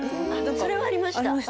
それはありました。